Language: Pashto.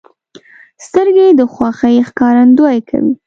سترګې د خوښۍ ښکارندویي کوي